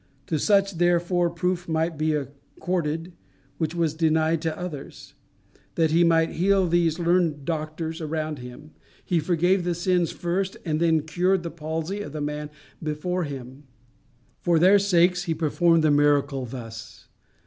To such therefore proof might be accorded which was denied to others. That he might heal these learned doctors around him, he forgave the sins first and then cured the palsy of the man before him. For their sakes he performed the miracle thus.